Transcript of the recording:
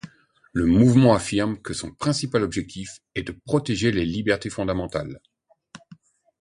Le mouvement affirme que son principal objectif est de protéger les libertés fondamentales.